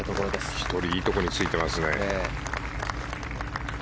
１人いいところについていますね。